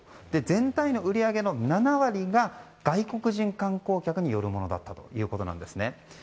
全体の売り上げの７割が外国人観光客によるものだったということなんですね。